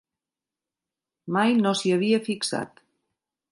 Mai no s'hi havia fixat.